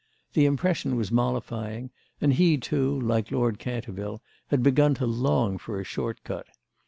The impression was mollifying, and he too, like Lord Canterville, had begun to long for a short cut.